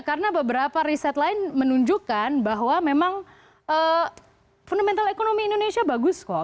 karena beberapa riset lain menunjukkan bahwa memang fundamental economy indonesia bagus kok